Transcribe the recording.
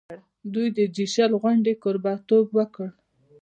دوی د جي شل غونډې کوربه توب وکړ.